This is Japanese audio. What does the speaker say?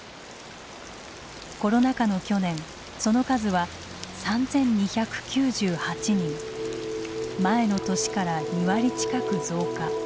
コロナ禍の去年その数は３，２９８人前の年から２割近く増加。